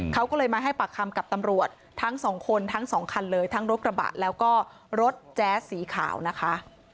เขาก็เลยมาให้ปากคำกับตำรวจทั้งสองคนทั้งสองคันเลยทั้งรถกระบะแล้วก็รถแจ๊สสีขาวนะคะ